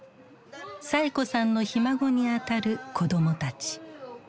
サエ子さんのひ孫にあたる子どもたち。